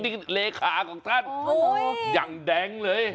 นี่เลขาของท่านอย่างแดงเลย